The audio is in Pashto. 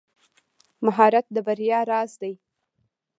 مهارت د بریا راز دی.